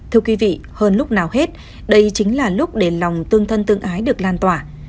thưa quý vị hơn lúc nào hết đây chính là lúc để lòng tương thân tương ái được lan tỏa